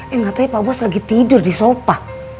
eh gatau ya pak bos lagi tidur di sopa